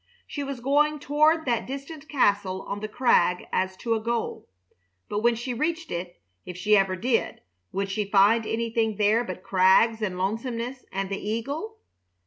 She was going toward that distant castle on the crag as to a goal, but when she reached it, if she ever did, would she find anything there but crags and lonesomeness and the eagle?